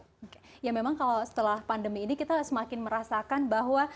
oke ya memang kalau setelah pandemi ini kita semakin merasakan bahwa